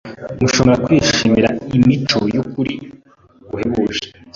mushobore kwishimira imico y’ukuri guhebuje